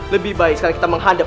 lebih baik sekarang kita menghadap